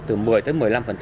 từ một mươi tới một mươi năm